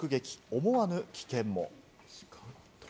思わぬ危険も。